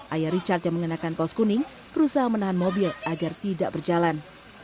ayah richard yang mengenakan kaos kuning berusaha menahan mobil agar tidak berjalan